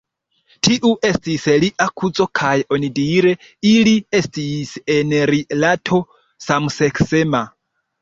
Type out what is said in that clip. Tiu estis lia kuzo kaj onidire ili estis en rilato samseksema.